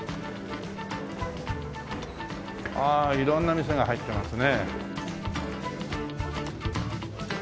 ああ色んな店が入ってますね。